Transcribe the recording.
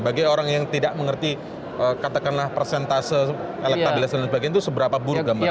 bagi orang yang tidak mengerti katakanlah persentase elektabilitas dan sebagainya itu seberapa buruk gambarnya